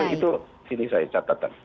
itu ini saya catatan